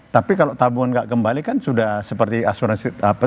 tapi kalau tabungan nggak kembali kan sudah seperti asuransi